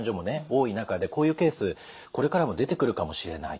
多い中でこういうケースこれからも出てくるかもしれない。